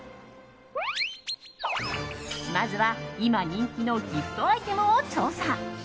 まずは、今人気のギフトアイテムを調査。